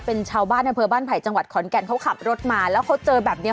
เป็นชาวบ้านอำเภอบ้านไผ่จังหวัดขอนแก่นเขาขับรถมาแล้วเขาเจอแบบนี้